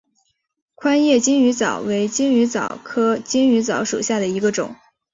宽叶金鱼藻为金鱼藻科金鱼藻属下的一个种。